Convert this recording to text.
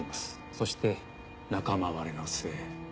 そして仲間割れの末。